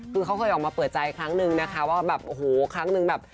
คือเขาเคยออกมาเปิดใจครั้งนึงนะคะว่าแบบโอ้โหครั้งนึงแบบ